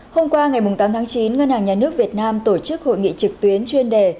hôm qua ngày tám tháng chín ngân hàng nhà nước việt nam tổ chức hội nghị trực tuyến chuyên đề